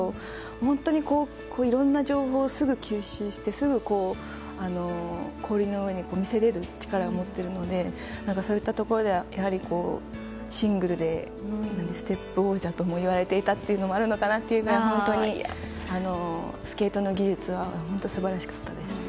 本当に、いろんな情報をすぐ吸収してすぐ氷の上で見せられる力を持っているのでそういったところではやはりシングルでステップ王者ともいわれていたというのもあるなというぐらい本当にスケートの技術は素晴らしかったです。